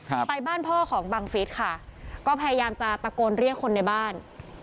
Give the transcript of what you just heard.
ไปบ้านพ่อของบังฟิศค่ะก็พยายามจะตะโกนเรียกคนในบ้าน